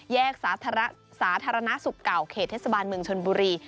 แยกสาธารณสุขเก่าเขตเทศบาลเมืองชนบุรี